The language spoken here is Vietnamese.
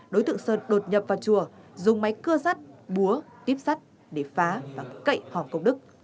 đối tượng sơn đột nhập vào chùa dùng máy cưa rắt búa tiếp sắt để phá và cậy hòm công đức